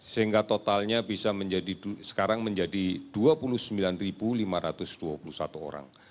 sehingga totalnya bisa menjadi sekarang menjadi dua puluh sembilan lima ratus dua puluh satu orang